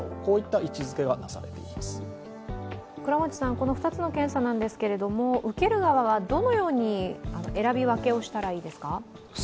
この２つの検査なんですけれども受ける側はどのように選び分けをしたらいいですか？